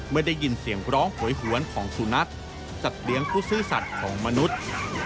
เมื่อได้ยินเสียงร้องโหยหวนของสุนัขสัตว์เลี้ยงผู้ซื่อสัตว์ของมนุษย์